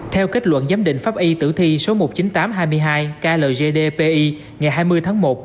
theo kết luận giám định pháp y tử thi số một mươi chín nghìn tám trăm hai mươi hai kldpi ngày hai mươi tháng một